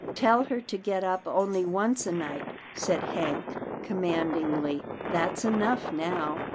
Tell her to get up only once a night," said Hank commandingly, " that's enough now."